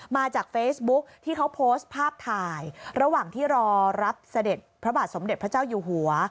มาจากเฟซบุ๊คที่เขาโพสต์ภาพถ่ายระหว่างที่รอรับเสด็จพระบาทสมเด็จพระเจ้าอยู่หัว